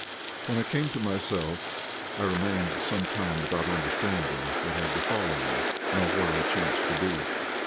When I came to myself I remained some time without understanding what had befallen me, nor where I chanced to be.